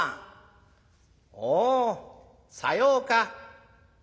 「おうさようか」。